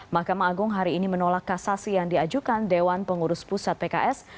mahkamah agung hari ini menolak kasasi yang diajukan dewan pengurus pusat pks